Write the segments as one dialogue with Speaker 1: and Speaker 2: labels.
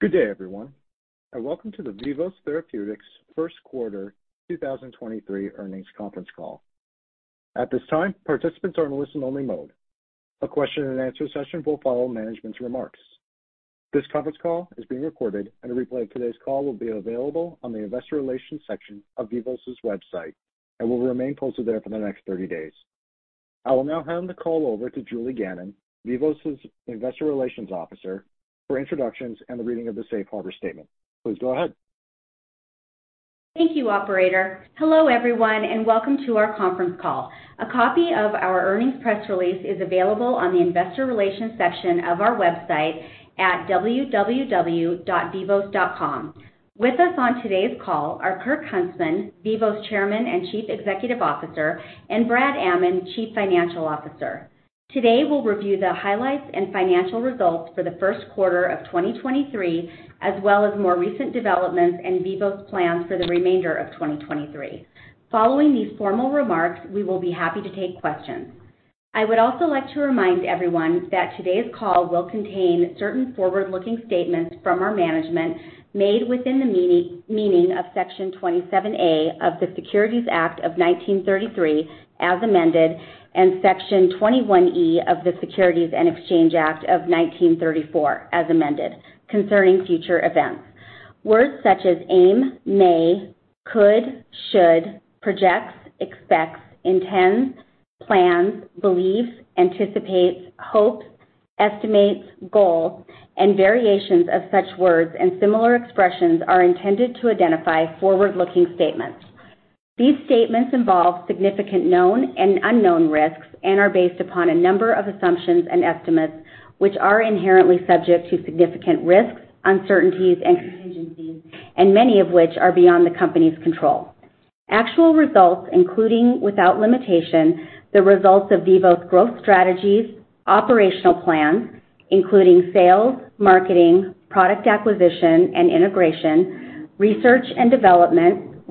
Speaker 1: Good day, everyone, and welcome to the Vivos Therapeutics First Quarter 2023 Earnings Conference Call. At this time, participants are in listen-only mode. A question-and-answer session will follow management's remarks. This conference call is being recorded, and a replay of today's call will be available on the investor relations section of Vivos's website and will remain posted there for the next 30 days. I will now hand the call over to Julie Gannon, Vivos's Investor Relations Officer, for introductions and the reading of the safe harbor statement. Please go ahead.
Speaker 2: Thank you, operator. Hello, everyone, welcome to our conference call. A copy of our earnings press release is available on the investor relations section of our website at www.vivos.com. With us on today's call are Kirk Huntsman, Vivos Chairman and Chief Executive Officer, and Brad Amman, Chief Financial Officer. Today, we'll review the highlights and financial results for the first quarter of 2023, as well as more recent developments and Vivos plans for the remainder of 2023. Following these formal remarks, we will be happy to take questions. I would also like to remind everyone that today's call will contain certain forward-looking statements from our management made within the meaning of Section 27A of the Securities Act of 1933, as amended, and Section 21E of the Securities Exchange Act of 1934, as amended, concerning future events. Words such as aim, may, could, should, projects, expects, intends, plans, believes, anticipates, hopes, estimates, goals, and variations of such words and similar expressions are intended to identify forward-looking statements. These statements involve significant known and unknown risks and are based upon a number of assumptions and estimates, which are inherently subject to significant risks, uncertainties, and contingencies, and many of which are beyond the company's control. Actual results, including, without limitation, the results of Vivos growth strategies, operational plans, including sales, marketing, product acquisition and integration, research and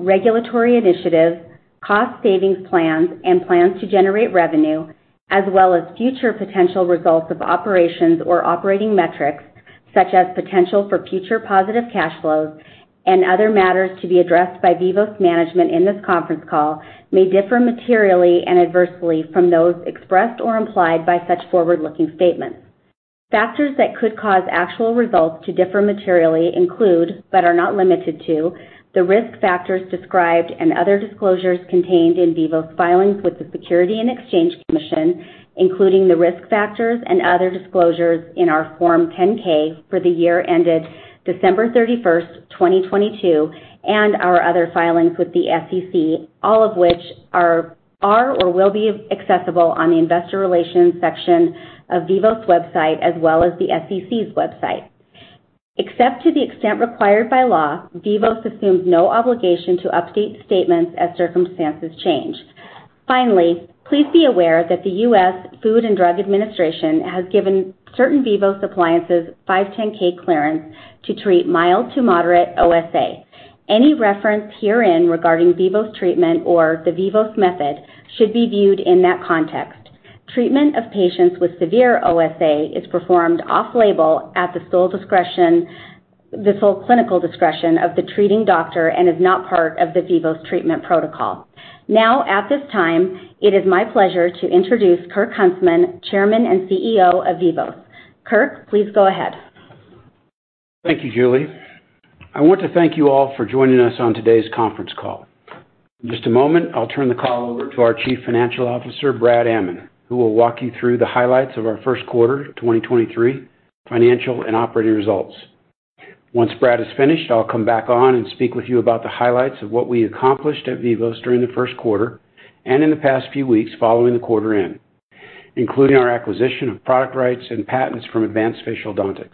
Speaker 2: development, regulatory initiatives, cost savings plans, and plans to generate revenue, as well as future potential results of operations or operating metrics, such as potential for future positive cash flows and other matters to be addressed by Vivos management in this conference call, may differ materially and adversely from those expressed or implied by such forward-looking statements. Factors that could cause actual results to differ materially include, but are not limited to, the risk factors described and other disclosures contained in Vivos filings with the Securities and Exchange Commission, including the risk factors and other disclosures in our Form 10-K for the year ended December 31, 2022, and our other filings with the SEC, all of which are or will be accessible on the investor relations section of Vivos website, as well as the SEC's website. Except to the extent required by law, Vivos assumes no obligation to update statements as circumstances change. Finally, please be aware that the U.S. Food and Drug Administration has given certain Vivos appliances 510(K) clearance to treat mild to moderate OSA. Any reference herein regarding Vivos treatment or The Vivos Method should be viewed in that context. Treatment of patients with severe OSA is performed off-label at the sole clinical discretion of the treating doctor and is not part of the Vivos treatment protocol. At this time, it is my pleasure to introduce Kirk Huntsman, Chairman and CEO of Vivos. Kirk, please go ahead.
Speaker 3: Thank you, Julie. I want to thank you all for joining us on today's conference call. In just a moment, I'll turn the call over to our Chief Financial Officer, Brad Amman, who will walk you through the highlights of our first quarter 2023 financial and operating results. Once Brad is finished, I'll come back on and speak with you about the highlights of what we accomplished at Vivos during the first quarter and in the past few weeks following the quarter end, including our acquisition of product rights and patents from Advanced Facialdontics, LLC.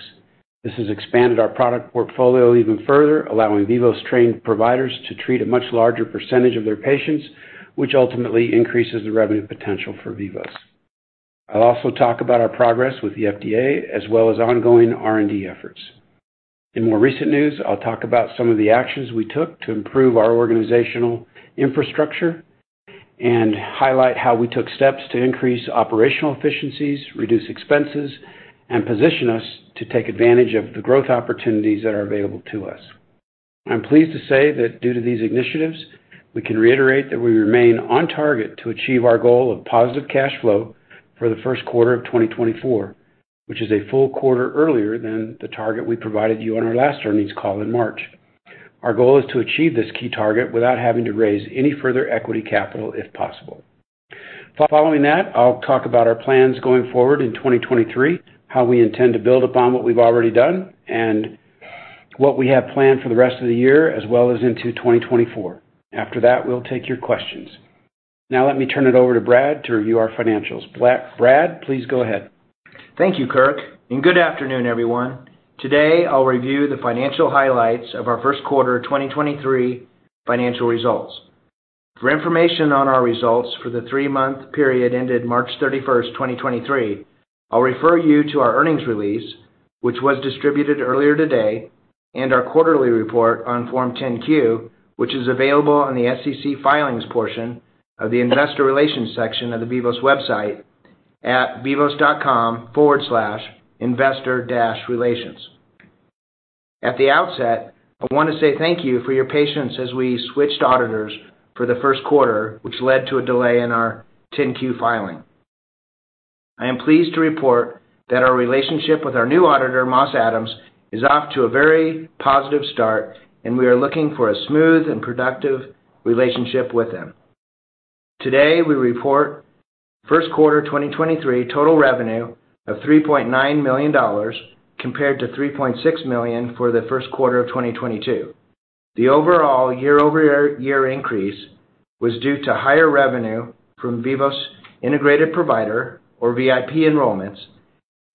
Speaker 3: This has expanded our product portfolio even further, allowing Vivos trained providers to treat a much larger percentage of their patients, which ultimately increases the revenue potential for Vivos. I'll also talk about our progress with the FDA as well as ongoing R&D efforts. In more recent news, I'll talk about some of the actions we took to improve our organizational infrastructure and highlight how we took steps to increase operational efficiencies, reduce expenses, and position us to take advantage of the growth opportunities that are available to us. I'm pleased to say that due to these initiatives, we can reiterate that we remain on target to achieve our goal of positive cash flow for the first quarter of 2024, which is a full quarter earlier than the target we provided you on our last earnings call in March. Our goal is to achieve this key target without having to raise any further equity capital, if possible. Following that, I'll talk about our plans going forward in 2023, how we intend to build upon what we've already done and what we have planned for the rest of the year, as well as into 2024. After that, we'll take your questions. Now, let me turn it over to Brad to review our financials. Brad, please go ahead.
Speaker 4: Thank you, Kirk. Good afternoon, everyone. Today, I'll review the financial highlights of our first quarter 2023 financial results. For information on our results for the three-month period ended March 31, 2023, I'll refer you to our earnings release, which was distributed earlier today, and our quarterly report on Form 10-Q, which is available on the SEC Filings portion of the investor relations section of the Vivos website at vivos.com/investor-relations. At the outset, I want to say thank you for your patience as we switched auditors for the first quarter, which led to a delay in our 10-Q filing. I am pleased to report that our relationship with our new auditor, Moss Adams, is off to a very positive start, and we are looking for a smooth and productive relationship with them. Today, we report first quarter 2023 total revenue of $3.9 million, compared to $3.6 million for the first quarter of 2022. The overall year-over-year increase was due to higher revenue from Vivos integrated provider or VIP enrollments,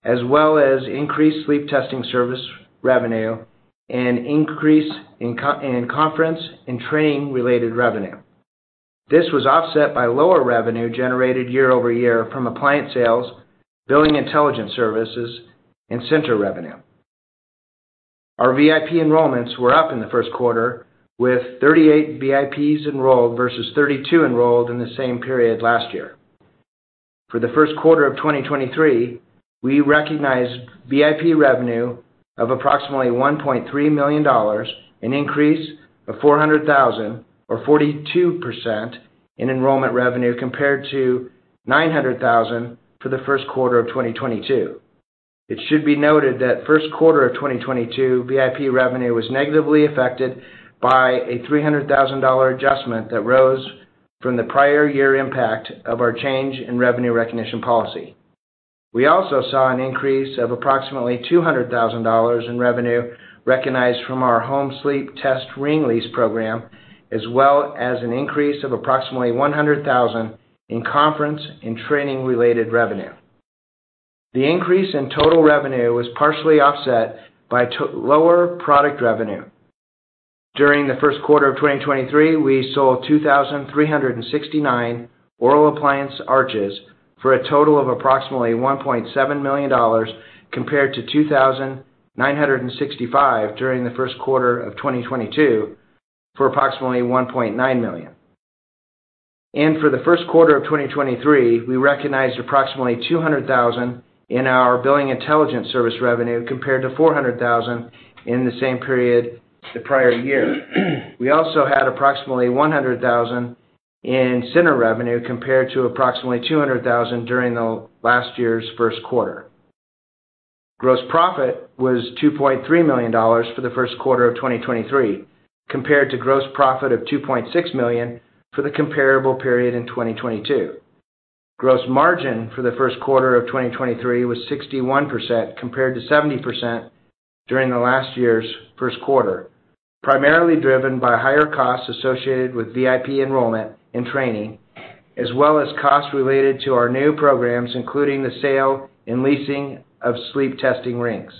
Speaker 4: as well as increased sleep testing service revenue and increase in conference and training related revenue. This was offset by lower revenue generated year-over-year from appliance sales, billing intelligence services, and center revenue. Our VIP enrollments were up in the first quarter, with 38 VIPs enrolled versus 32 enrolled in the same period last year. For the first quarter of 2023, we recognized VIP revenue of approximately $1.3 million, an increase of $400,000 or 42% in enrollment revenue, compared to $900,000 for the first quarter of 2022. It should be noted that first quarter of 2022, VIP revenue was negatively affected by a $300,000 adjustment that rose from the prior year impact of our change in revenue recognition policy. We also saw an increase of approximately $200,000 in revenue recognized from our home sleep test ring lease program, as well as an increase of approximately $100,000 in conference and training related revenue. The increase in total revenue was partially offset by lower product revenue. During the first quarter of 2023, we sold 2,369 oral appliance arches for a total of approximately $1.7 million, compared to 2,965 during the first quarter of 2022 for approximately $1.9 million. For the first quarter of 2023, we recognized approximately $200,000 in our billing intelligence service revenue, compared to $400,000 in the same period the prior year. We also had approximately $100,000 in center revenue, compared to approximately $200,000 during the last year's first quarter. Gross profit was $2.3 million for the first quarter of 2023, compared to gross profit of $2.6 million for the comparable period in 2022. Gross margin for the first quarter of 2023 was 61%, compared to 70% during the last year's first quarter, primarily driven by higher costs associated with VIP enrollment and training, as well as costs related to our new programs, including the sale and leasing of sleep testing rings.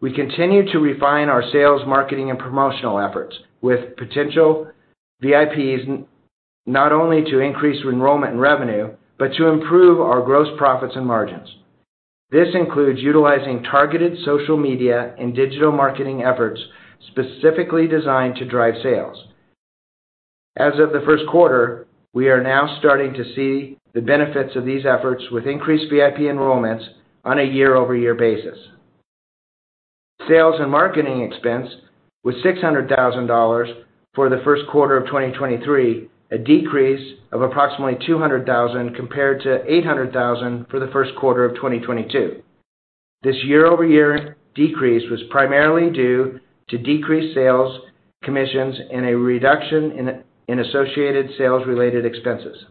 Speaker 4: We continue to refine our sales, marketing, and promotional efforts with potential VIPs, not only to increase enrollment and revenue, but to improve our gross profits and margins. This includes utilizing targeted social media and digital marketing efforts specifically designed to drive sales. As of the first quarter, we are now starting to see the benefits of these efforts with increased VIP enrollments on a year-over-year basis. Sales and marketing expense was $600,000 for the first quarter of 2023, a decrease of approximately $200,000 compared to $800,000 for the first quarter of 2022. This year-over-year decrease was primarily due to decreased sales commissions and a reduction in associated sales-related expenses.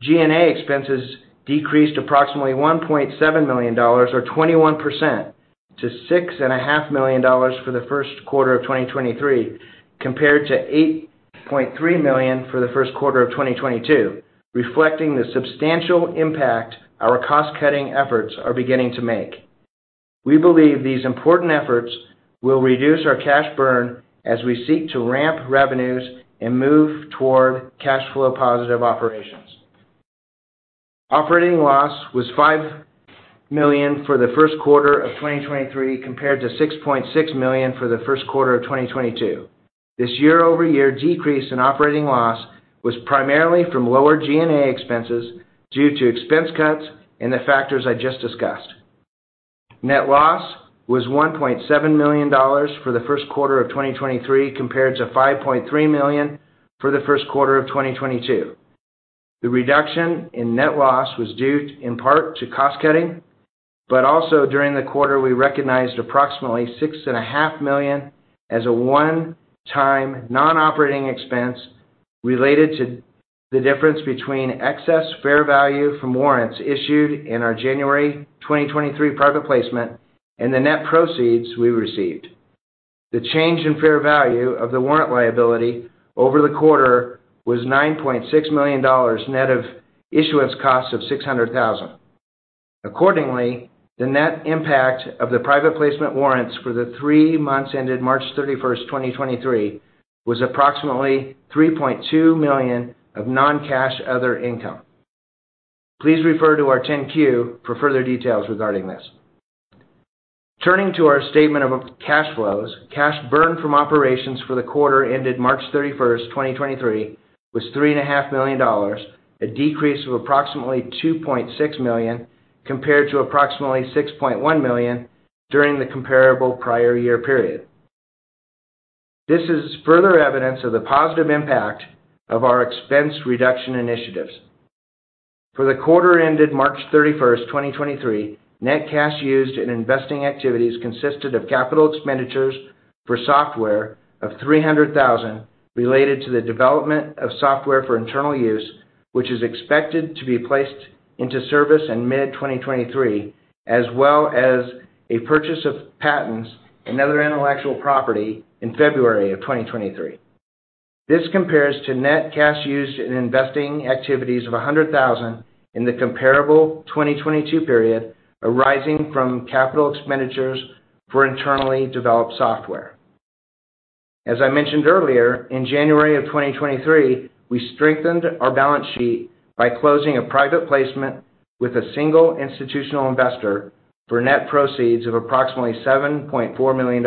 Speaker 4: G&A expenses decreased approximately $1.7 million or 21% to $6.5 million for the first quarter of 2023, compared to $8.3 million for the first quarter of 2022, reflecting the substantial impact our cost-cutting efforts are beginning to make. We believe these important efforts will reduce our cash burn as we seek to ramp revenues and move toward cash flow positive operations. Operating loss was $5 million for the first quarter of 2023, compared to $6.6 million for the first quarter of 2022. This year-over-year decrease in operating loss was primarily from lower G&A expenses due to expense cuts and the factors I just discussed. Net loss was $1.7 million for the first quarter of 2023, compared to $5.3 million for the first quarter of 2022. The reduction in net loss was due in part to cost cutting. Also during the quarter, we recognized approximately six and a half million dollars as a one-time non-operating expense related to the difference between excess fair value from warrants issued in our January 2023 private placement and the net proceeds we received. The change in fair value of the warrant liability over the quarter was $9.6 million, net of issuance costs of $600,000. Accordingly, the net impact of the private placement warrants for the three months ended March 31, 2023, was approximately $3.2 million of non-cash other income. Please refer to our 10-Q for further details regarding this. Turning to our statement of cash flows. Cash burn from operations for the quarter ended March 31, 2023, was three and a half million dollars, a decrease of approximately $2.6 million compared to approximately $6.1 million during the comparable prior year period. This is further evidence of the positive impact of our expense reduction initiatives. For the quarter ended March 31, 2023, net cash used in investing activities consisted of capital expenditures for software of $300,000, related to the development of software for internal use, which is expected to be placed into service in mid-2023, as well as a purchase of patents and other intellectual property in February of 2023. This compares to net cash used in investing activities of $100,000 in the comparable 2022 period, arising from capital expenditures for internally developed software. As I mentioned earlier, in January of 2023, we strengthened our balance sheet by closing a private placement with a single institutional investor for net proceeds of approximately $7.4 million.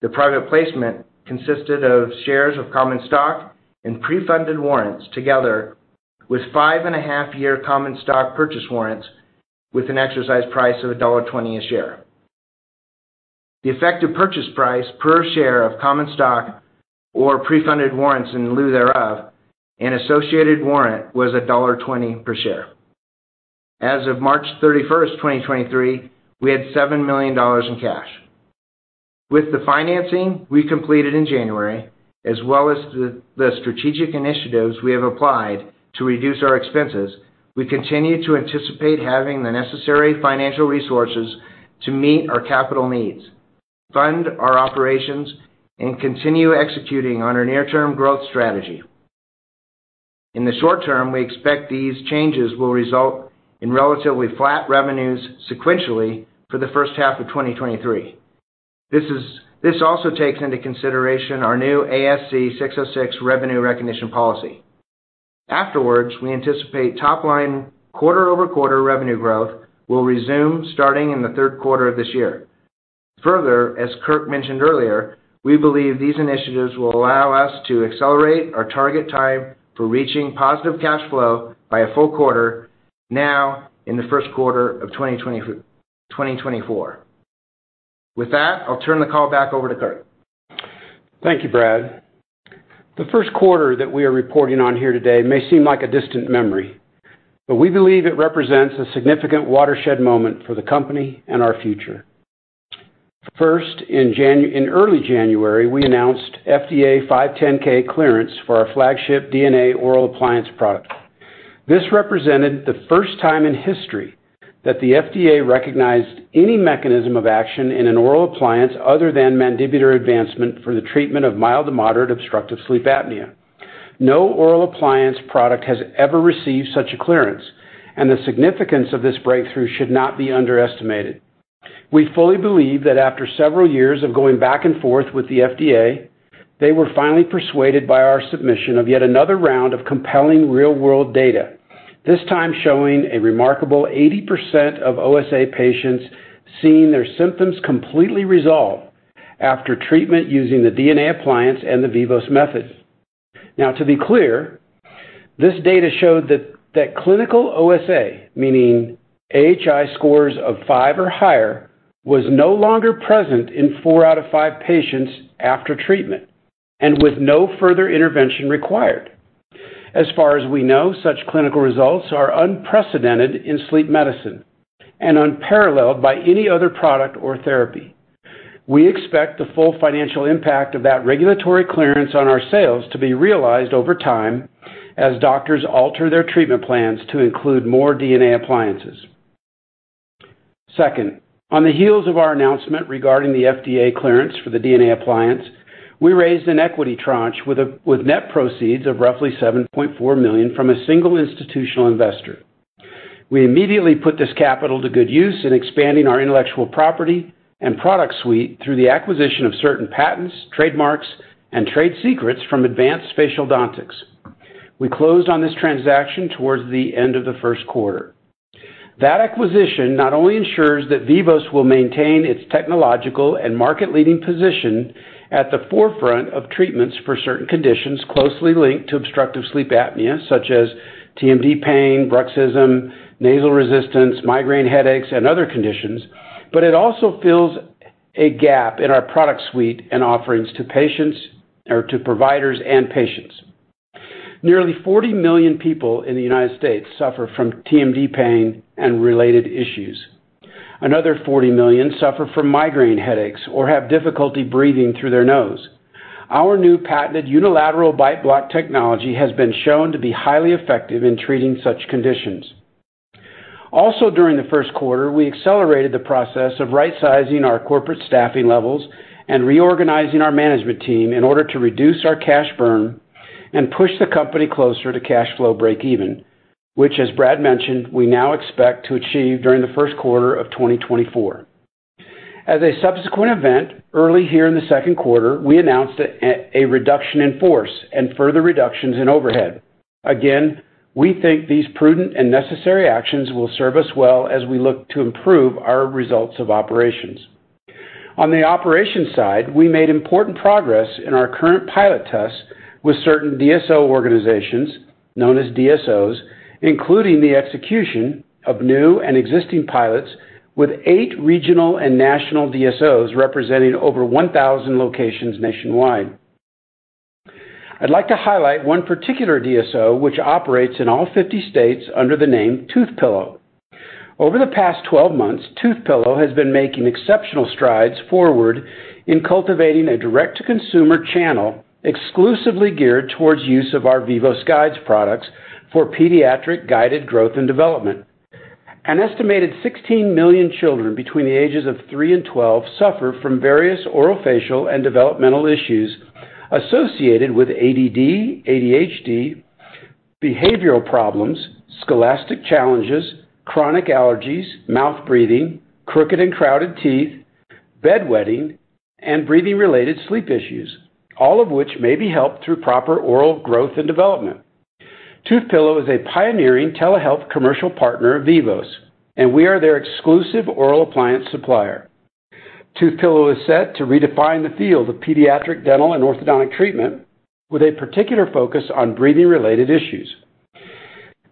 Speaker 4: The private placement consisted of shares of common stock and pre-funded warrants, together with 5.5-year common stock purchase warrants, with an exercise price of $1.20 a share. The effective purchase price per share of common stock or pre-funded warrants in lieu thereof and associated warrant, was $1.20 per share. As of March 31, 2023, we had $7 million in cash. With the financing we completed in January, as well as the strategic initiatives we have applied to reduce our expenses, we continue to anticipate having the necessary financial resources to meet our capital needs, fund our operations, and continue executing on our near-term growth strategy. In the short term, we expect these changes will result in relatively flat revenues sequentially for the first half of 2023. This also takes into consideration our new ASC 606 revenue recognition policy. Afterwards, we anticipate top line quarter-over-quarter revenue growth will resume starting in the third quarter of this year. Further, as Kirk mentioned earlier, we believe these initiatives will allow us to accelerate our target time for reaching positive cash flow by a full quarter, now in the first quarter of 2024. With that, I'll turn the call back over to Kirk.
Speaker 3: Thank you, Brad. The first quarter that we are reporting on here today may seem like a distant memory, but we believe it represents a significant watershed moment for the company and our future. First, in early January, we announced FDA 510(k) clearance for our flagship DNA oral appliance product. This represented the first time in history that the FDA recognized any mechanism of action in an oral appliance other than mandibular advancement for the treatment of mild to moderate obstructive sleep apnea. No oral appliance product has ever received such a clearance, and the significance of this breakthrough should not be underestimated. We fully believe that after several years of going back and forth with the FDA, they were finally persuaded by our submission of yet another round of compelling, real-world data, this time showing a remarkable 80% of OSA patients seeing their symptoms completely resolve after treatment using the DNA appliance and The Vivos Method. To be clear, this data showed that clinical OSA, meaning AHI scores of five or higher, was no longer present in four out of five patients after treatment and with no further intervention required. As far as we know, such clinical results are unprecedented in sleep medicine and unparalleled by any other product or therapy. We expect the full financial impact of that regulatory clearance on our sales to be realized over time as doctors alter their treatment plans to include more DNA appliances. On the heels of our announcement regarding the FDA clearance for the DNA appliance, we raised an equity tranche with net proceeds of roughly $7.4 million from a single institutional investor. We immediately put this capital to good use in expanding our intellectual property and product suite through the acquisition of certain patents, trademarks, and trade secrets from Advanced Facialdontics. We closed on this transaction towards the end of the first quarter. The acquisition not only ensures that Vivos will maintain its technological and market-leading position at the forefront of treatments for certain conditions closely linked to Obstructive Sleep Apnea, such as TMD pain, bruxism, nasal resistance, migraine headaches, and other conditions, but it also fills a gap in our product suite and offerings to patients or to providers and patients. Nearly 40 million people in the United States suffer from TMD pain and related issues. Another 40 million suffer from migraine headaches or have difficulty breathing through their nose. Our new patented Unilateral Bite Block technology has been shown to be highly effective in treating such conditions. During the first quarter, we accelerated the process of right-sizing our corporate staffing levels and reorganizing our management team in order to reduce our cash burn and push the company closer to cash flow breakeven, which, as Brad mentioned, we now expect to achieve during the first quarter of 2024. As a subsequent event, early here in the second quarter, we announced a reduction in force and further reductions in overhead. We think these prudent and necessary actions will serve us well as we look to improve our results of operations. On the operation side, we made important progress in our current pilot tests with certain DSO organizations, known as DSOs, including the execution of new and existing pilots with eight regional and national DSOs, representing over 1,000 locations nationwide. I'd like to highlight one particular DSO, which operates in all 50 states under the name Toothpillow. Over the past 12 months, Toothpillow has been making exceptional strides forward in cultivating a direct-to-consumer channel exclusively geared towards use of our Vivos Guides products for pediatric guided growth and development. An estimated 16 million children between the ages of three and 12 suffer from various oral, facial, and developmental issues associated with ADD, ADHD, behavioral problems, scholastic challenges, chronic allergies, mouth breathing, crooked and crowded teeth, bedwetting, and breathing-related sleep issues, all of which may be helped through proper oral growth and development. Toothpillow is a pioneering telehealth commercial partner of Vivos, and we are their exclusive oral appliance supplier. Toothpillow is set to redefine the field of pediatric dental and orthodontic treatment with a particular focus on breathing-related issues.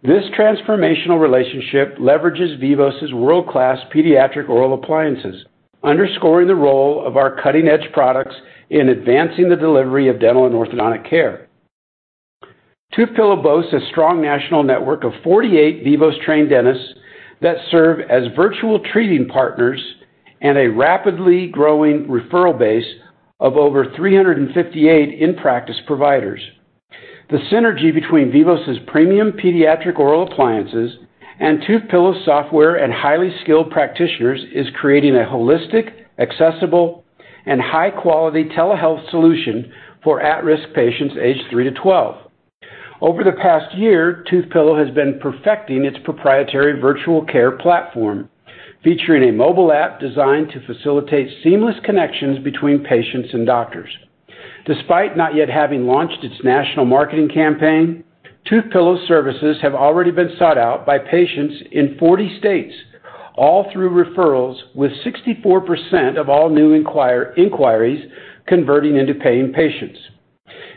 Speaker 3: This transformational relationship leverages Vivos' world-class pediatric oral appliances, underscoring the role of our cutting-edge products in advancing the delivery of dental and orthodontic care. Toothpillow boasts a strong national network of 48 Vivos-trained dentists that serve as virtual treating partners and a rapidly growing referral base of over 358 in-practice providers. The synergy between Vivos' premium pediatric oral appliances and Toothpillow's software and highly skilled practitioners is creating a holistic, accessible and high-quality telehealth solution for at-risk patients aged three to 12. Over the past year, Tooth Pillow has been perfecting its proprietary virtual care platform, featuring a mobile app designed to facilitate seamless connections between patients and doctors. Despite not yet having launched its national marketing campaign, Tooth Pillow services have already been sought out by patients in 40 states, all through referrals, with 64% of all new inquiries converting into paying patients.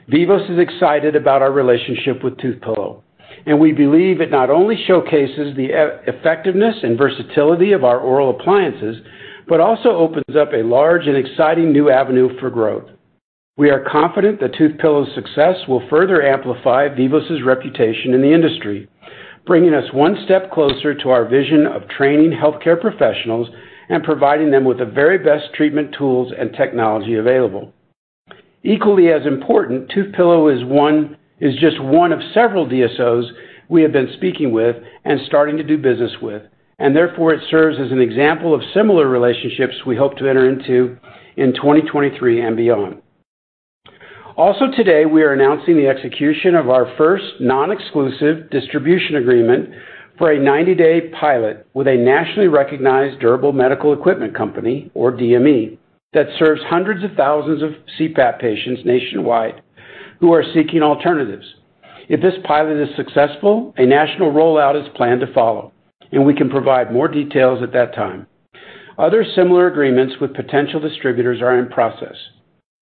Speaker 3: Vivos is excited about our relationship with Tooth Pillow, and we believe it not only showcases the effectiveness and versatility of our oral appliances, but also opens up a large and exciting new avenue for growth. We are confident that Tooth Pillow's success will further amplify Vivos' reputation in the industry, bringing us one step closer to our vision of training healthcare professionals and providing them with the very best treatment, tools, and technology available. Equally as important, Toothpillow is one is just one of several DSOs we have been speaking with and starting to do business with, and therefore it serves as an example of similar relationships we hope to enter into in 2023 and beyond. Today, we are announcing the execution of our first non-exclusive distribution agreement for a 90-day pilot with a nationally recognized durable medical equipment company, or DME, that serves hundreds of thousands of CPAP patients nationwide who are seeking alternatives. If this pilot is successful, a national rollout is planned to follow, and we can provide more details at that time. Other similar agreements with potential distributors are in process.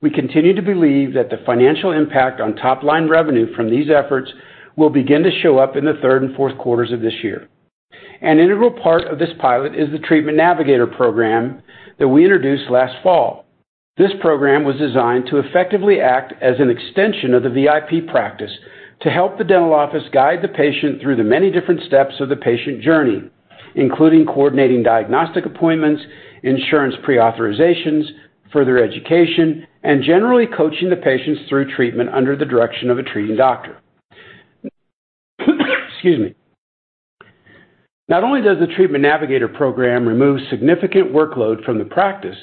Speaker 3: We continue to believe that the financial impact on top-line revenue from these efforts will begin to show up in the third and fourth quarters of this year. An integral part of this pilot is the Treatment Navigator Program that we introduced last fall. This program was designed to effectively act as an extension of the VIP practice to help the dental office guide the patient through the many different steps of the patient journey, including coordinating diagnostic appointments, insurance pre-authorizations, further education, and generally coaching the patients through treatment under the direction of a treating doctor. Excuse me. Not only does the Treatment Navigator Program remove significant workload from the practice,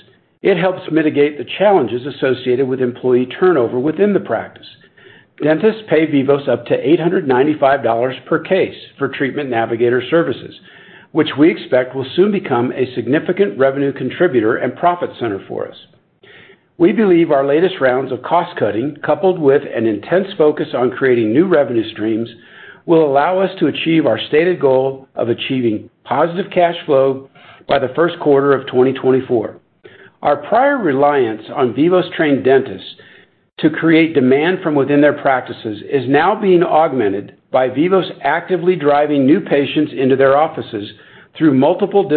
Speaker 3: it helps mitigate the challenges associated with employee turnover within the practice. Dentists pay Vivos up to $895 per case for Treatment Navigator services, which we expect will soon become a significant revenue contributor and profit center for us. We believe our latest rounds of cost-cutting, coupled with an intense focus on creating new revenue streams, will allow us to achieve our stated goal of achieving positive cash flow by the first quarter of 2024. Our prior reliance on Vivos-trained dentists to create demand from within their practices is now being augmented by Vivos actively driving new patients into their offices through multiple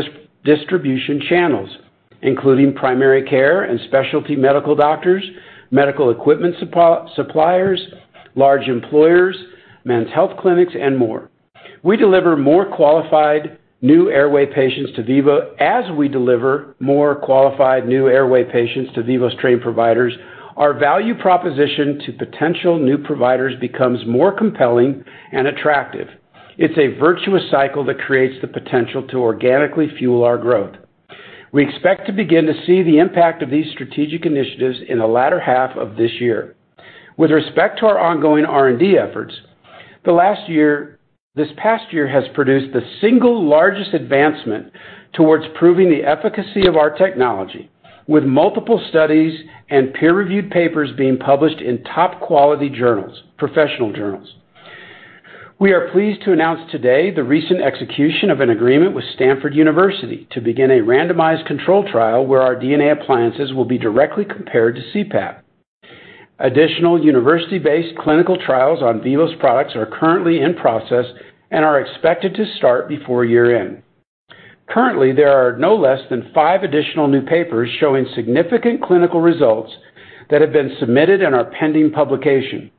Speaker 3: distribution channels, including primary care and specialty medical doctors, medical equipment suppliers, large employers, men's health clinics, and more. We deliver more qualified new airway patients to Vivos. As we deliver more qualified new airway patients to Vivos-trained providers, our value proposition to potential new providers becomes more compelling and attractive. It's a virtuous cycle that creates the potential to organically fuel our growth. We expect to begin to see the impact of these strategic initiatives in the latter half of this year. With respect to our ongoing R&D efforts, this past year has produced the single largest advancement towards proving the efficacy of our technology, with multiple studies and peer-reviewed papers being published in top quality journals, professional journals. We are pleased to announce today the recent execution of an agreement with Stanford University to begin a randomized controlled trial, where our DNA appliances will be directly compared to CPAP. Additional university-based clinical trials on Vivos products are currently in process and are expected to start before year-end. Currently, there are no less than five additional new papers showing significant clinical results that have been submitted and are pending publication.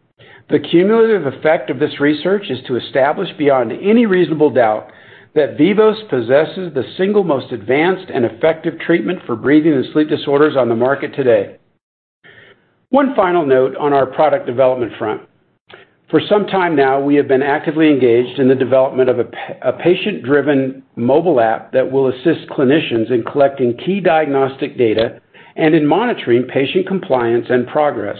Speaker 3: The cumulative effect of this research is to establish beyond any reasonable doubt, that Vivos possesses the single most advanced and effective treatment for breathing and sleep disorders on the market today. One final note on our product development front. For some time now, we have been actively engaged in the development of a patient-driven mobile app that will assist clinicians in collecting key diagnostic data and in monitoring patient compliance and progress,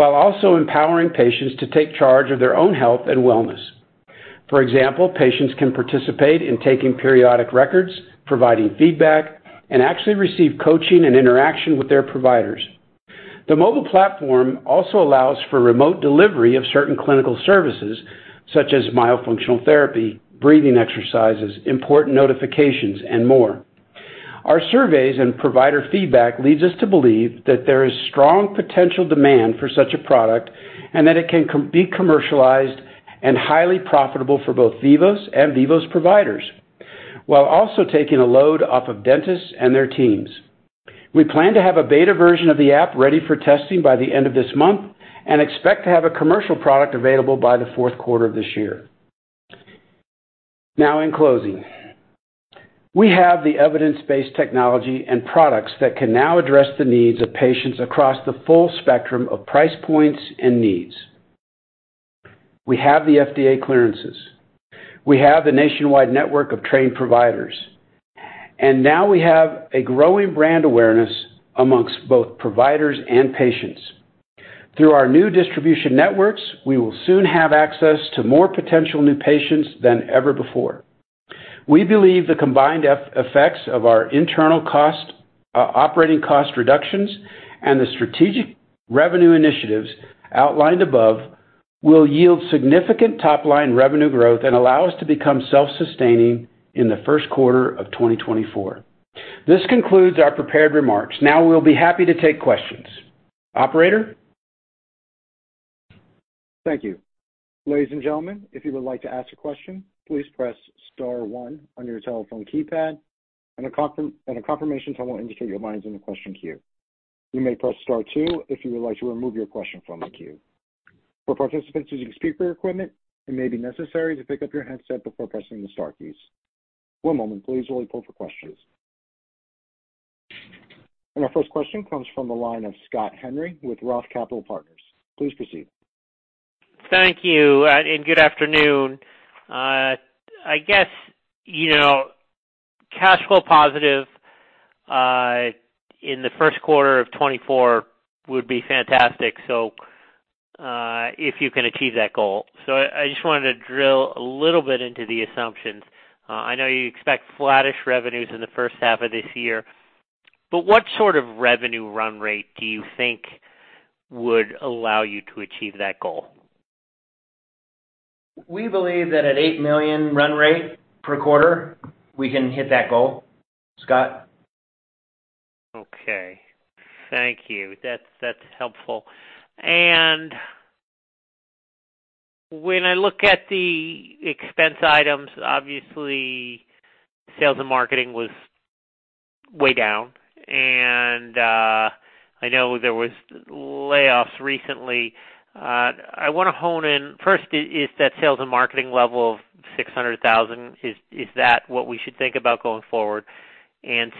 Speaker 3: while also empowering patients to take charge of their own health and wellness. For example, patients can participate in taking periodic records, providing feedback, and actually receive coaching and interaction with their providers. The mobile platform also allows for remote delivery of certain clinical services such as myofunctional therapy, breathing exercises, important notifications, and more. Our surveys and provider feedback leads us to believe that there is strong potential demand for such a product and that it can be commercialized and highly profitable for both Vivos and Vivos providers, while also taking a load off of dentists and their teams. We plan to have a beta version of the app ready for testing by the end of this month and expect to have a commercial product available by the fourth quarter of this year. Now, in closing, we have the evidence-based technology and products that can now address the needs of patients across the full spectrum of price points and needs. We have the FDA clearances. We have the nationwide network of trained providers, and now we have a growing brand awareness amongst both providers and patients. Through our new distribution networks, we will soon have access to more potential new patients than ever before. We believe the combined effects of our internal cost operating cost reductions and the strategic revenue initiatives outlined above, will yield significant top-line revenue growth and allow us to become self-sustaining in the first quarter of 2024. This concludes our prepared remarks. We'll be happy to take questions. Operator?
Speaker 1: Thank you. Ladies and gentlemen, if you would like to ask a question, please press star one on your telephone keypad, and a confirmation tone will indicate your line is in the question queue. You may press star two if you would like to remove your question from the queue. For participants using speaker equipment, it may be necessary to pick up your headset before pressing the star keys. One moment please, while we pull for questions. Our first question comes from the line of Scott Henry with Roth Capital Partners. Please proceed.
Speaker 5: Thank you, good afternoon. I guess, you know, cash flow positive in the first quarter of 2024 would be fantastic, if you can achieve that goal. I just wanted to drill a little bit into the assumptions. I know you expect flattish revenues in the first half of this year, what sort of revenue run rate do you think would allow you to achieve that goal?
Speaker 3: We believe that at $8 million run rate per quarter, we can hit that goal, Scott.
Speaker 5: Okay. Thank you. That's helpful. When I look at the expense items, obviously, sales and marketing was way down, and I know there was layoffs recently. I wanna hone in, first, is that sales and marketing level of $600,000, is that what we should think about going forward?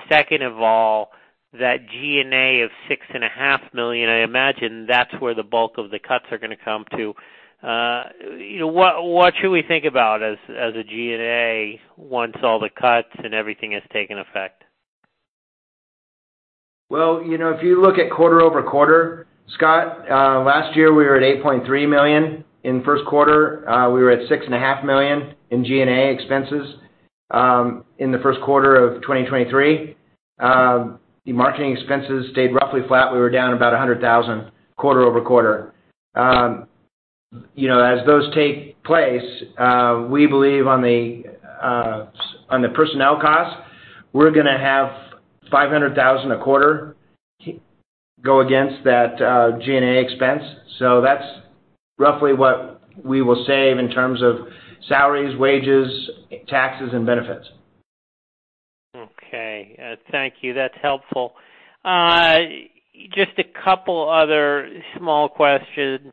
Speaker 5: Second of all, that G&A of $6.5 million, I imagine that's where the bulk of the cuts are gonna come to. You know, what should we think about as a G&A once all the cuts and everything has taken effect?
Speaker 3: Well, you know, if you look at quarter-over-quarter, Scott, last year we were at $8.3 million. In first quarter, we were at six and a half million in G&A expenses. In the first quarter of 2023, the marketing expenses stayed roughly flat. We were down about $100,000, quarter-over-quarter. You know, as those take place, we believe on the personnel costs, we're gonna have $500,000 a quarter to go against that G&A expense. That's roughly what we will save in terms of salaries, wages, taxes, and benefits.
Speaker 5: Okay. Thank you. That's helpful. Just a couple other small questions.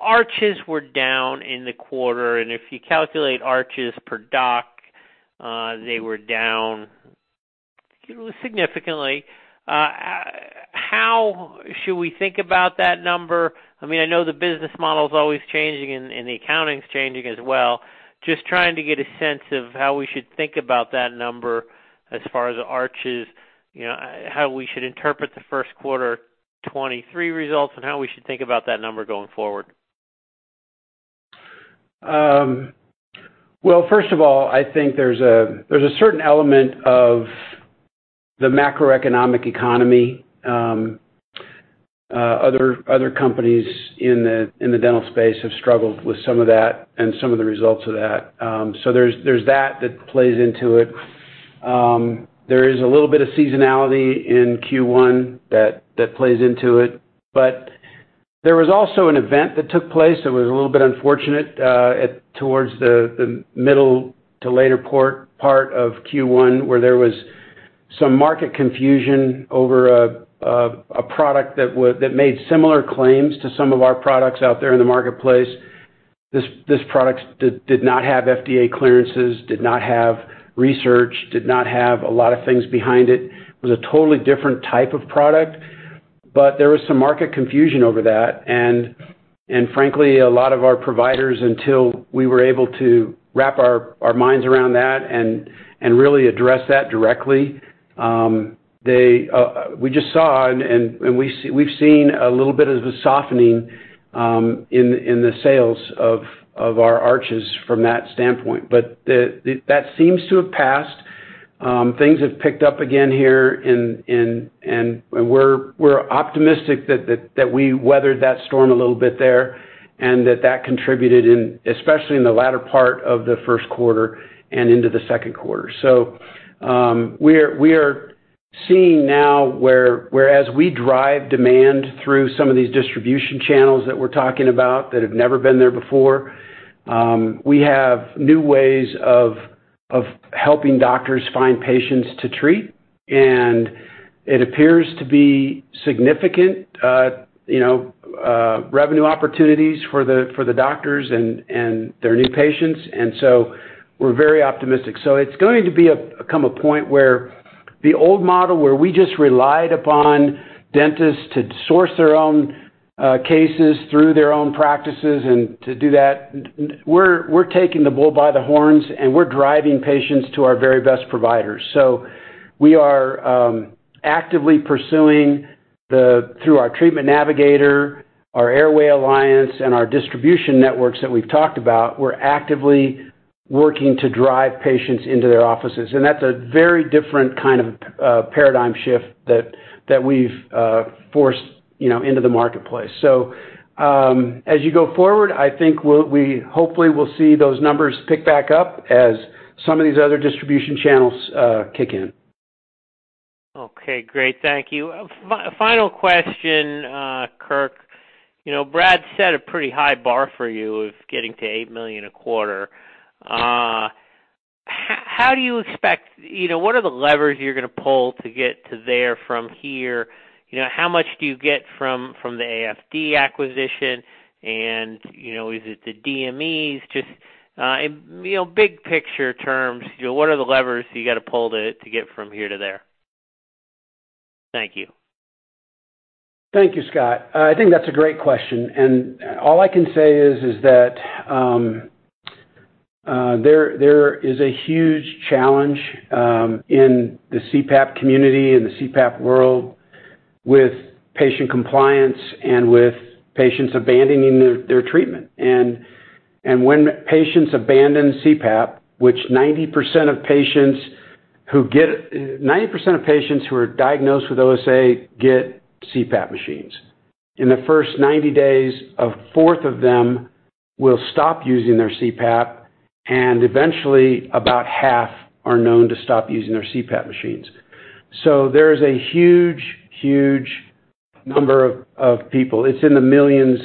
Speaker 5: Arches were down in the quarter, and if you calculate arches per doc, they were down significantly. How should we think about that number? I mean, I know the business model is always changing and the accounting is changing as well. Just trying to get a sense of how we should think about that number as far as arches, you know, how we should interpret the first quarter 23 results, and how we should think about that number going forward.
Speaker 3: ...Well, first of all, I think there's a certain element of the macroeconomic economy. Other companies in the dental space have struggled with some of that and some of the results of that. So there's that plays into it. There is a little bit of seasonality in Q1 that plays into it. There was also an event that took place that was a little bit unfortunate, at towards the middle to later part of Q1, where there was some market confusion over a product that made similar claims to some of our products out there in the marketplace. This product did not have FDA clearances, did not have research, did not have a lot of things behind it. It was a totally different type of product, but there was some market confusion over that. Frankly, a lot of our providers, until we were able to wrap our minds around that and really address that directly, they, we just saw and we've seen a little bit of a softening in the sales of our arches from that standpoint. That seems to have passed. Things have picked up again here in, and we're optimistic that we weathered that storm a little bit there, and that contributed in, especially in the latter part of the first quarter and into the second quarter. We are seeing now where, whereas we drive demand through some of these distribution channels that we're talking about that have never been there before, we have new ways of helping doctors find patients to treat, and it appears to be significant, you know, revenue opportunities for the doctors and their new patients. We're very optimistic. It's going to come a point where the old model, where we just relied upon dentists to source their own cases through their own practices. To do that, we're taking the bull by the horns, and we're driving patients to our very best providers. We are actively pursuing the, through our treatment navigator, our Airway Alliance, and our distribution networks that we've talked about, we're actively working to drive patients into their offices, and that's a very different kind of paradigm shift that we've forced, you know, into the marketplace. As you go forward, I think we hopefully will see those numbers pick back up as some of these other distribution channels kick in.
Speaker 5: Okay, great. Thank you. Final question, Kirk. You know, Brad set a pretty high bar for you of getting to $8 million a quarter. How do you expect, you know, what are the levers you're going to pull to get to there from here? You know, how much do you get from the AFD acquisition? Is it the DMEs? Just, you know, big picture terms, you know, what are the levers you got to pull to get from here to there? Thank you.
Speaker 3: Thank you, Scott. I think that's a great question. All I can say is that there is a huge challenge in the CPAP community and the CPAP world with patient compliance and with patients abandoning their treatment. When patients abandon CPAP, which 90% of patients who are diagnosed with OSA get CPAP machines. In the first 90 days, a fourth of them will stop using their CPAP. Eventually, about half are known to stop using their CPAP machines. There is a huge number of people. It's in the millions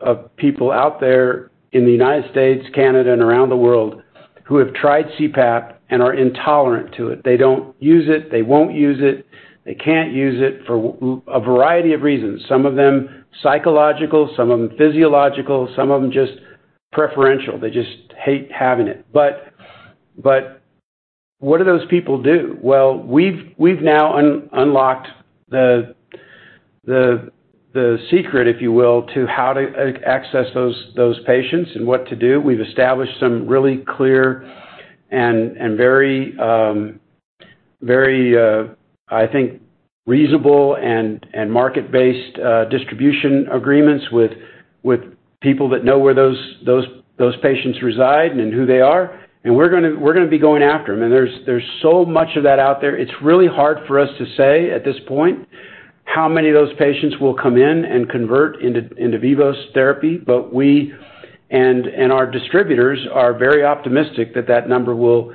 Speaker 3: of people out there in the United States, Canada, and around the world, who have tried CPAP and are intolerant to it. They don't use it, they won't use it, they can't use it for a variety of reasons. Some of them psychological, some of them physiological, some of them just preferential. They just hate having it. What do those people do? Well, we've now unlocked the secret, if you will, to how to access those patients and what to do. We've established some really clear and very, very, I think, reasonable and market-based distribution agreements with people that know where those patients reside and who they are. We're gonna be going after them. There's so much of that out there. It's really hard for us to say at this point how many of those patients will come in and convert into Vivos therapy. We and our distributors are very optimistic that that number will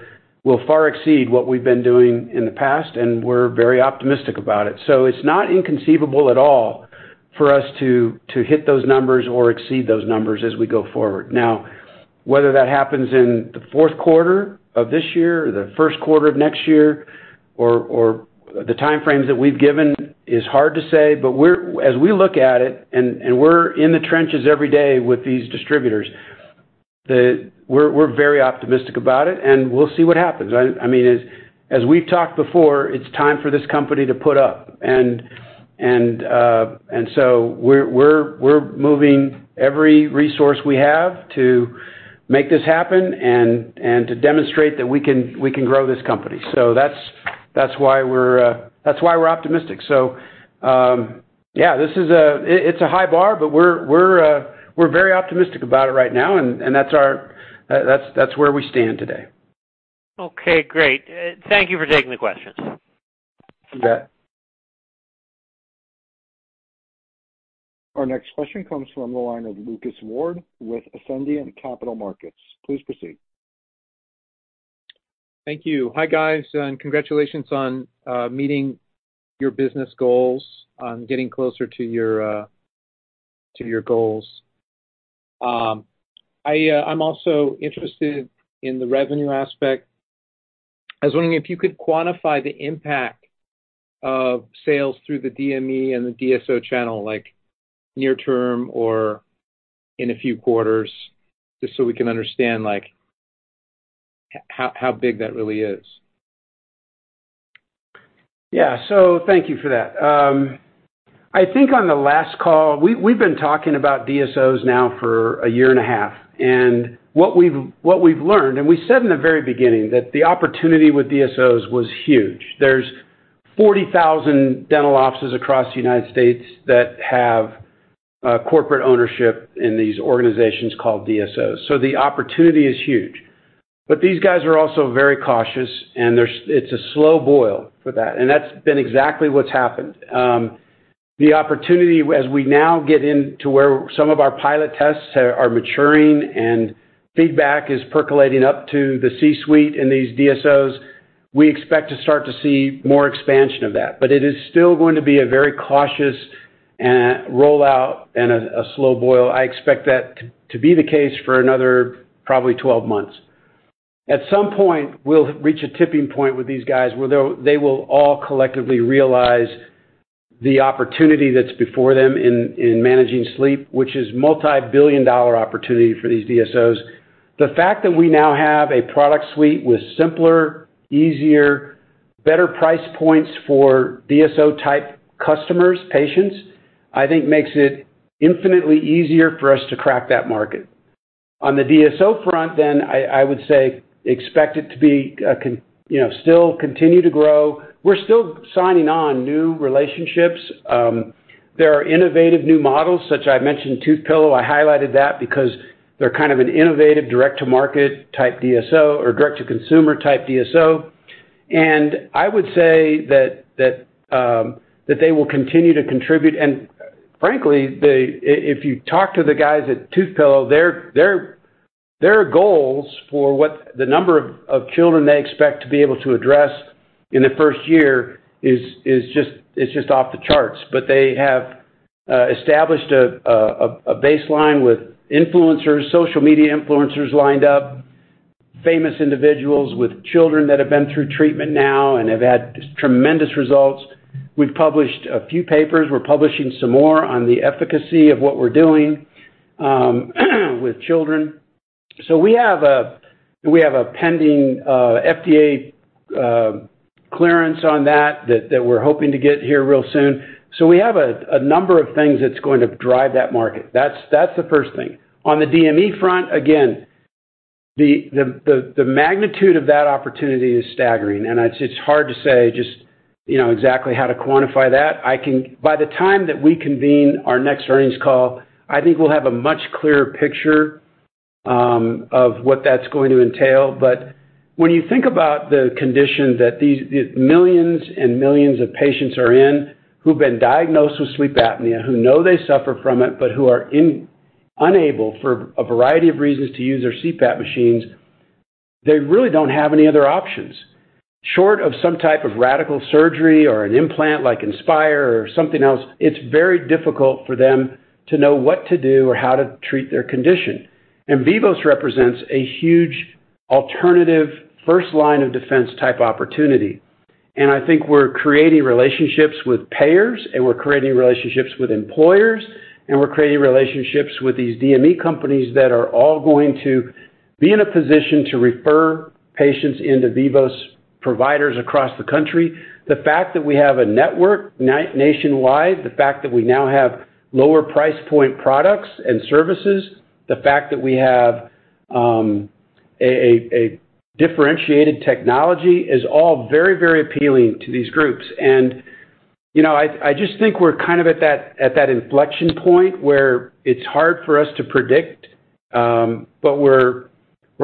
Speaker 3: far exceed what we've been doing in the past, and we're very optimistic about it. It's not inconceivable at all for us to hit those numbers or exceed those numbers as we go forward. Whether that happens in the fourth quarter of this year or the first quarter of next year, or the time frames that we've given is hard to say, but as we look at it, and we're in the trenches every day with these distributors, we're very optimistic about it, and we'll see what happens. I mean, as we've talked before, it's time for this company to put up. We're moving every resource we have to make this happen and to demonstrate that we can grow this company. That's why we're optimistic. Yeah, this is a, it's a high bar, but we're very optimistic about it right now, and that's where we stand today.
Speaker 5: Okay, great. Thank you for taking the questions.
Speaker 3: You bet.
Speaker 1: Our next question comes from the line of Lucas Ward with Ascendiant Capital Markets. Please proceed.
Speaker 6: Thank you. Hi, guys. Congratulations on meeting your business goals, on getting closer to your goals. I'm also interested in the revenue aspect. I was wondering if you could quantify the impact of sales through the DME and the DSO channel, like near term or in a few quarters, just so we can understand, like, how big that really is?
Speaker 3: Yeah. Thank you for that. I think on the last call, we've been talking about DSOs now for a year and a half, and what we've learned, and we said in the very beginning that the opportunity with DSOs was huge. There's 40,000 dental offices across the United States that have corporate ownership in these organizations called DSOs. The opportunity is huge. These guys are also very cautious, and it's a slow boil for that, and that's been exactly what's happened. The opportunity as we now get into where some of our pilot tests are maturing and feedback is percolating up to the C-suite in these DSOs, we expect to start to see more expansion of that. It is still going to be a very cautious rollout and a slow boil. I expect that to be the case for another probably 12 months. At some point, we'll reach a tipping point with these guys, where they will all collectively realize the opportunity that's before them in managing sleep, which is multibillion-dollar opportunity for these DSOs. The fact that we now have a product suite with simpler, easier, better price points for DSO-type customers, patients, I think makes it infinitely easier for us to crack that market. On the DSO front then, I would say expect it to be, you know, still continue to grow. We're still signing on new relationships. There are innovative new models, such I mentioned Toothpillow. I highlighted that because they're kind of an innovative, direct-to-market type DSO or direct-to-consumer type DSO. I would say that they will continue to contribute. Frankly, they... If you talk to the guys at Toothpillow, their goals for what the number of children they expect to be able to address in the first year is just, it's just off the charts. They have established a baseline with influencers, social media influencers lined up, famous individuals with children that have been through treatment now and have had tremendous results. We've published a few papers. We're publishing some more on the efficacy of what we're doing with children. We have a pending FDA clearance on that we're hoping to get here real soon. We have a number of things that's going to drive that market. That's the first thing. On the DME front, again, the magnitude of that opportunity is staggering, and it's hard to say just, you know, exactly how to quantify that. By the time that we convene our next earnings call, I think we'll have a much clearer picture of what that's going to entail. When you think about the condition that these millions and millions of patients are in, who've been diagnosed with sleep apnea, who know they suffer from it, but who are unable, for a variety of reasons, to use their CPAP machines, they really don't have any other options. Short of some type of radical surgery or an implant like Inspire or something else, it's very difficult for them to know what to do or how to treat their condition. Vivos represents a huge alternative, first line of defense-type opportunity. I think we're creating relationships with payers, and we're creating relationships with employers, and we're creating relationships with these DME companies that are all going to be in a position to refer patients into Vivos providers across the country. The fact that we have a network nationwide, the fact that we now have lower price point products and services, the fact that we have a differentiated technology, is all very, very appealing to these groups. You know, I just think we're kind of at that, at that inflection point where it's hard for us to predict, but we're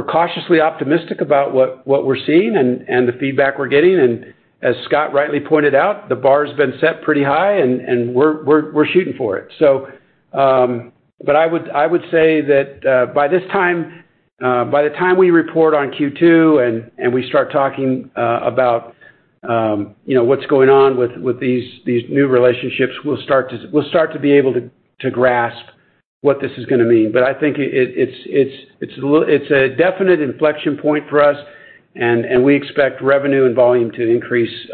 Speaker 3: cautiously optimistic about what we're seeing and the feedback we're getting. As Scott rightly pointed out, the bar has been set pretty high, and we're shooting for it. I would say that, by this time, by the time we report on Q2, and we start talking, about, you know, what's going on with these new relationships, we'll start to be able to grasp what this is gonna mean. I think it's a definite inflection point for us, and we expect revenue and volume to increase,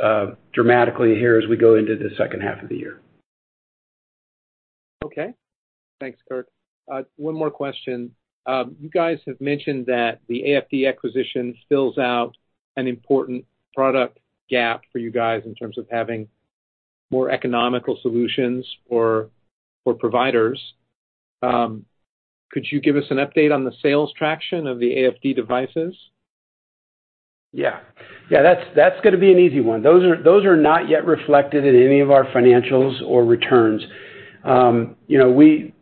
Speaker 3: dramatically here as we go into the second half of the year.
Speaker 6: Thanks, Kirk. One more question. You guys have mentioned that the AFD acquisition fills out an important product gap for you guys in terms of having more economical solutions for providers. Could you give us an update on the sales traction of the AFD devices?
Speaker 3: Yeah. That's gonna be an easy one. Those are not yet reflected in any of our financials or returns. You know, we,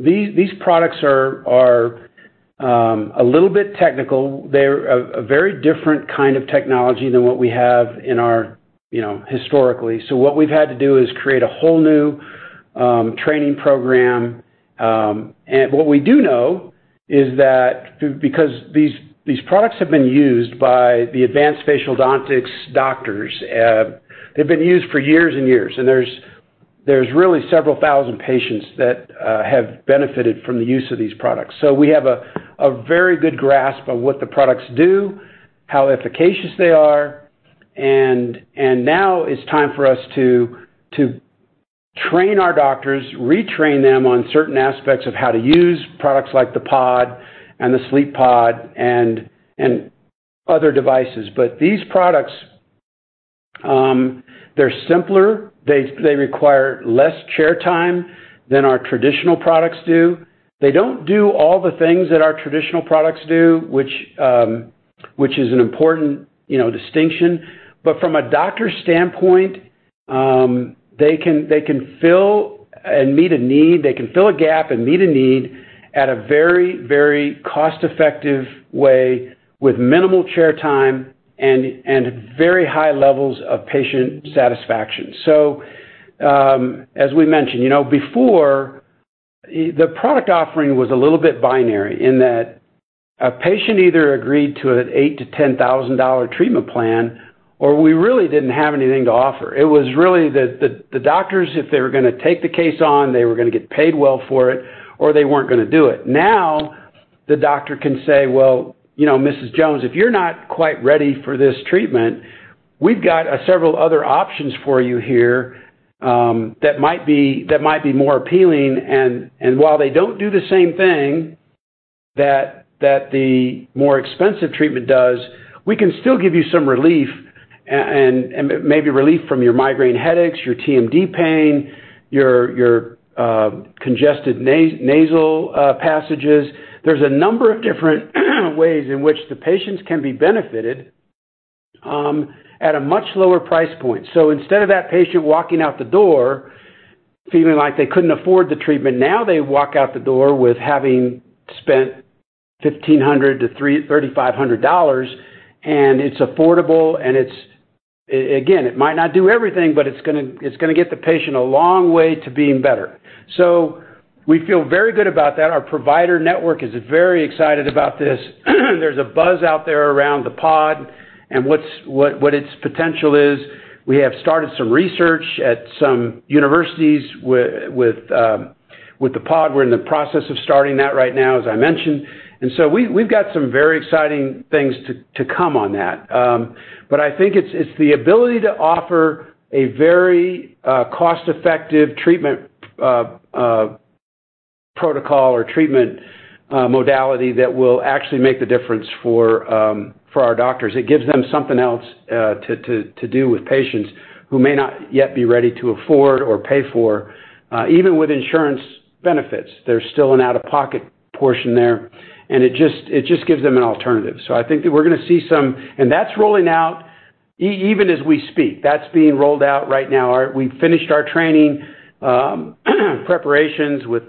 Speaker 3: these products are a little bit technical. They're a very different kind of technology than what we have in our, you know, historically. What we've had to do is create a whole new training program. What we do know is that because these products have been used by the Advanced Facialdontics doctors, they've been used for years and years, there's really several 1,000 patients that have benefited from the use of these products. We have a very good grasp of what the products do, how efficacious they are. Now it's time for us to train our doctors, retrain them on certain aspects of how to use products like the POD and the Night Block and other devices. These products, they're simpler. They require less chair time than our traditional products do. They don't do all the things that our traditional products do, which is an important, you know, distinction. From a doctor's standpoint, they can fill and meet a need. They can fill a gap and meet a need at a very cost-effective way with minimal chair time and very high levels of patient satisfaction. As we mentioned, you know, before, the product offering was a little bit binary in that a patient either agreed to an $8,000-$10,000 treatment plan, or we really didn't have anything to offer. It was really the doctors, if they were gonna take the case on, they were gonna get paid well for it, or they weren't gonna do it. Now, the doctor can say, "Well, you know, Mrs. Jones, if you're not quite ready for this treatment, we've got several other options for you here that might be more appealing, and while they don't do the same thing that the more expensive treatment does, we can still give you some relief and maybe relief from your migraine headaches, your TMD pain, your congested nasal passages. There's a number of different ways in which the patients can be benefited at a much lower price point. Instead of that patient walking out the door feeling like they couldn't afford the treatment, now they walk out the door with having spent $1,500-$3,500, and it's affordable, and it's again, it might not do everything, but it's gonna get the patient a long way to being better. We feel very good about that. Our provider network is very excited about this. There's a buzz out there around the POD and what its potential is. We have started some research at some universities with the POD. We're in the process of starting that right now, as I mentioned. We've got some very exciting things to come on that. I think it's the ability to offer a very cost-effective treatment protocol or treatment modality that will actually make the difference for our doctors. It gives them something else to do with patients who may not yet be ready to afford or pay for. Even with insurance benefits, there's still an out-of-pocket portion there, and it just gives them an alternative. I think that we're gonna see some. That's rolling out even as we speak. That's being rolled out right now. We finished our training preparations with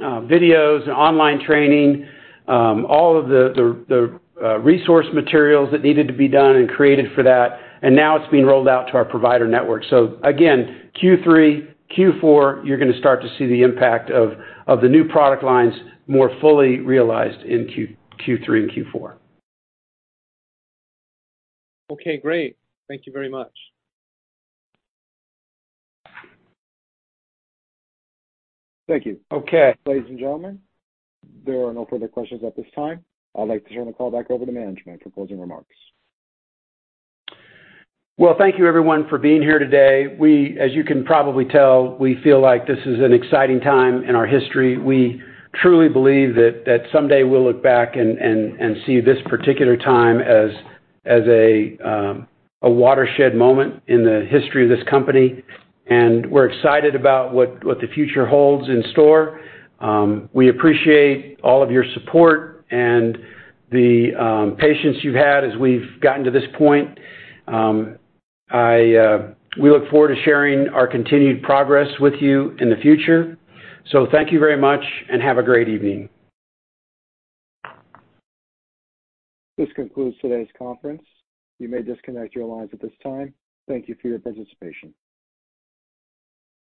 Speaker 3: videos and online training, all of the resource materials that needed to be done and created for that, and now it's being rolled out to our provider network. Again, Q3, Q4, you're gonna start to see the impact of the new product lines more fully realized in Q3 and Q4.
Speaker 6: Okay, great. Thank you very much.
Speaker 1: Thank you.
Speaker 3: Okay.
Speaker 1: Ladies and gentlemen, there are no further questions at this time. I'd like to turn the call back over to management for closing remarks.
Speaker 3: Thank you, everyone, for being here today. We, as you can probably tell, we feel like this is an exciting time in our history. We truly believe that someday we'll look back and see this particular time as a watershed moment in the history of this company, and we're excited about what the future holds in store. We appreciate all of your support and the patience you've had as we've gotten to this point. We look forward to sharing our continued progress with you in the future. Thank you very much, and have a great evening.
Speaker 1: This concludes today's conference. You may disconnect your lines at this time. Thank you for your participation.